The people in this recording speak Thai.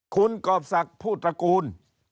คุณกอบสักพูตระกูล